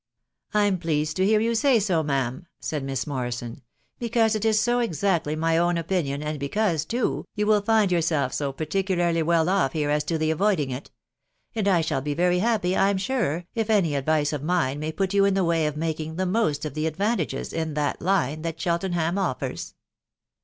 %< I'm pleased to hear you say so, ma'am," said Miss Mor rison, " because it is so exactly my own opinion, and because, too, you will find yourself so particularly well off here as to the avoiding it ; and I shall be very happy, I'm sure, if any advice of mine may put you in the way of making the most of the advantages in that line that Cheltenham offers."